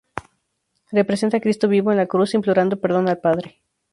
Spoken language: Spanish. Representa a Cristo vivo en la cruz implorando Perdón al Padre.